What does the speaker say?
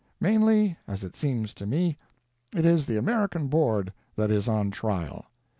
Mainly, as it seems to me, it is the American Board that is on trial.